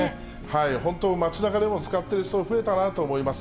本当、街なかでも使っている人、増えたなと思います。